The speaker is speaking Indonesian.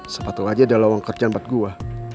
sepatu aja ada lawang kerjaan buat gue